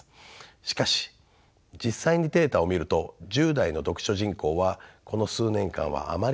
しかし実際にデータを見ると１０代の読書人口はこの数年間はあまり減っていません。